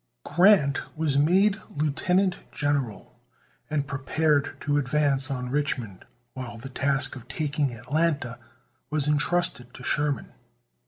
Grant was made lieutenant general, and prepared to advance on Richmond, while the task of taking Atlanta was intrusted to Sherman.